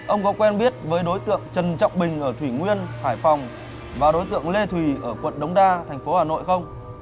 ông có quen biết với đối tượng trần trọng bình ở thủy nguyên hải phòng và đối tượng lê thùy ở quận đống đa thành phố hà nội không